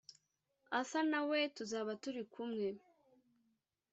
Arthur na we tuzaba turi kumwe